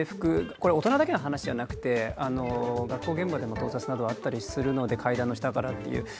これ、大人だけの話じゃなくて学校現場でも盗撮などがあったりする場合があるので階段の下からという。